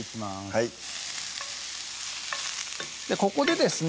はいここでですね